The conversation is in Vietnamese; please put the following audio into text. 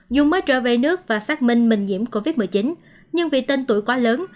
dù mới trở về nước và xác minh mình nhiễm covid một mươi chín nhưng vì tên tuổi quá lớn